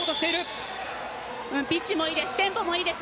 ピッチもいいです。